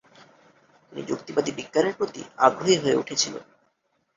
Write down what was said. তিনি যুক্তিবাদী বিজ্ঞানের প্রতি আগ্রহী হয়ে উঠেছিলেন।